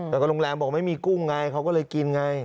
แล้วก็โรงแรมบอกไม่มีกุ้งไงเขาก็เลยกินไง